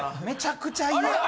めちゃくちゃイヤ。